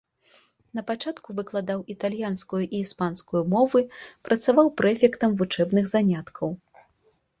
Напачатку выкладаў італьянскую і іспанскую мовы, працаваў прэфектам вучэбных заняткаў.